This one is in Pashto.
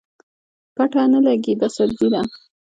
پته نه لګي دا سبزي ده